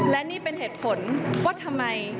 และนี่เป็นเหตุผลว่าทำไม